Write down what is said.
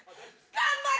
頑張れ！